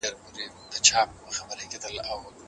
د څښاک پاکې اوبه ناروغي کموي.